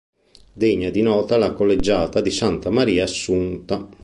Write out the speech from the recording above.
Degna di nota la collegiata di Santa Maria Assunta.